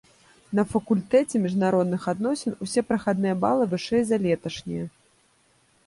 На факультэце міжнародных адносін усе прахадныя балы вышэй за леташнія.